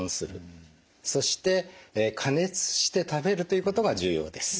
そして加熱して食べるということが重要です。